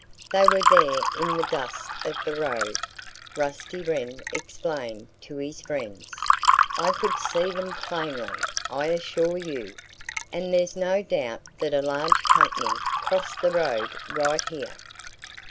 "They were there in the dust of the road," Rusty Wren explained to his friends. "I could see them plainly, I assure you. And there's no doubt that a large company crossed the road right here."